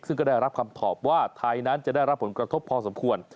ซึ่งก็ได้รับคำตอบว่าไทยนั้นจะได้รับผลกระทบพอสมควร